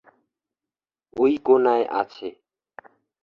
ঐ কোণায় আছে।